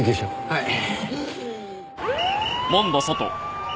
はい。